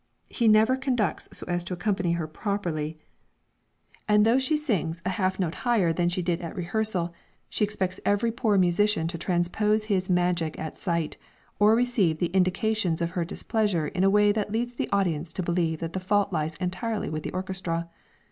He never conducts so as to accompany her properly, and though she sings a half a note higher than she did at rehearsal, she expects every poor musician to transpose his magic at sight, or receive the indications of her displeasure in a way that leads the audience to believe that the fault lies entirely with the orchestra.